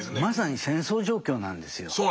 まさに戦争状況なんですよ。